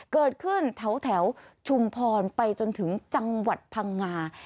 เกิดขึ้นแถวชุมพรไปจนถึงจังหวัดพังงา